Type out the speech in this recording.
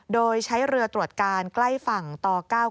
โดยใช้เรือตรวจการใกล้ฝั่งต่อ๙๙